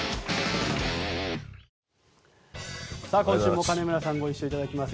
今週も金村さんにご出演いただきます。